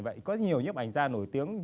vậy có nhiều nhếp ảnh da nổi tiếng